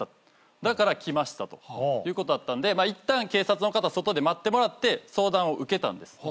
だから来ましたということだったんでまあいったん警察の方外で待ってもらって相談を受けたんです。